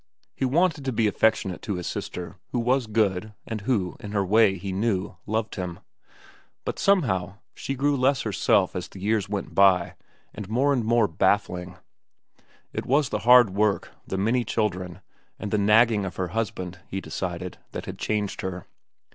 He wanted to be affectionate to this sister, who was good, and who, in her way, he knew, loved him. But, somehow, she grew less herself as the years went by, and more and more baffling. It was the hard work, the many children, and the nagging of her husband, he decided, that had changed her.